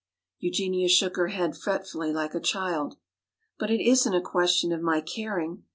Eugenia shook her head fretfully like a child. "But it isn't a question of my caring.